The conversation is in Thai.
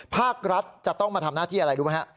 ภาครัฐจะต้องมาทำหน้าที่อะไรรู้ไหมฮะ